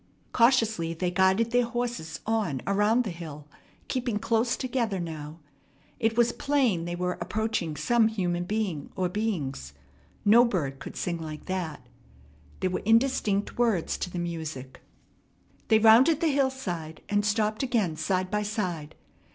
Cautiously they guided their horses on around the hill, keeping close together now. It was plain they were approaching some human being or beings. No bird could sing like that. There were indistinct words to the music. They rounded the hillside, and stopped again side by side.